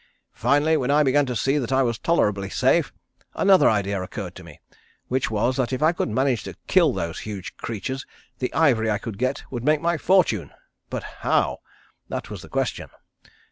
Finally, when I began to see that I was tolerably safe, another idea occurred to me, which was that if I could manage to kill those huge creatures the ivory I could get would make my fortune. But how! That was the question.